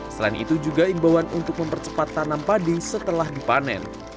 selain itu juga imbauan untuk mempercepat tanam padi setelah dipanen